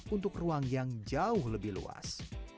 untuk ruang yang jauh lebih luas